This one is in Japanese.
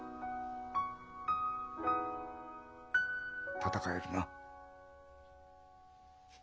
闘えるな？